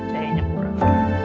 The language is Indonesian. saya minyak kurang